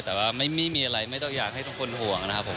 แต่ว่าไม่มีอะไรไม่ต้องอยากให้ทุกคนห่วงนะครับผม